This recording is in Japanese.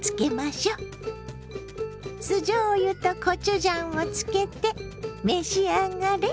酢じょうゆとコチュジャンをつけて召し上がれ！